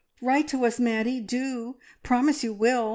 "Write to us, Maddie, do! Promise you will!